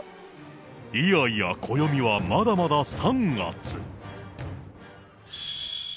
いやいや、暦はまだまだ３月。